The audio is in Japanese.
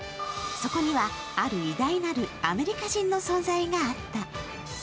そこには、ある偉大なるアメリカ人の存在があった。